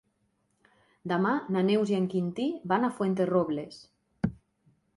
Demà na Neus i en Quintí van a Fuenterrobles.